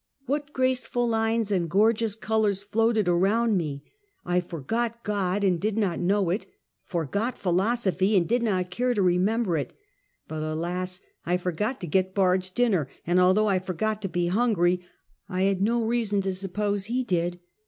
What graceful lines and gorgeous colors floated around me! I for got God, and did not know it; forgot philosophy, and did not care to remember it; but alas! I forgot to get Bard's dinner, and, althongh I forgot to be hungry, I had no reason to suppose he did.